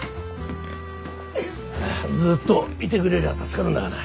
ずっといてくれりゃ助かるんだがな。